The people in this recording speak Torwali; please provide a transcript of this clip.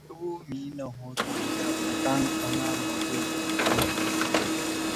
سوو مھی نہ ہودُو یأ پھتانگ آنگا وا دئیا